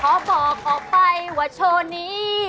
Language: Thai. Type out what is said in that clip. ขอบอกออกไปว่าโชว์นี้